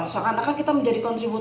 seakan akan kita menjadi kontributor